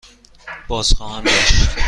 بازخواهم گشت.